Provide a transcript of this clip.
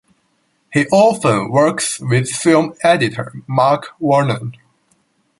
He often works with film editor Mark Warner.